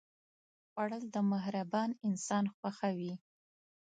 خوړل د مهربان انسان خوښه وي